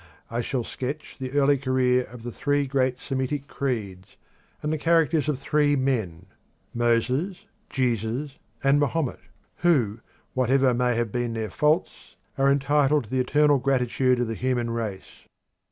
I shall sketch the early career of the three great Semitic creeds and the characters of three men Moses, Jesus, and Mohammed who, whatever may have been their faults, are entitled to the eternal gratitude of the human race.